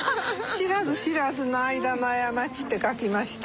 「知らず知らずの間の過ち」って書きました。